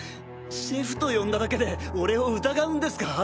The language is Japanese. シェフと呼んだだけで俺を疑うんですか？